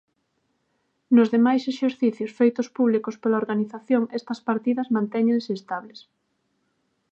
Nos demais exercicios feitos públicos pola organización estas partidas mantéñense estables.